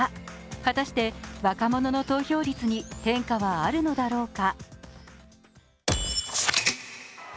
果たして、若者の投票率に変化はあるのだろうか。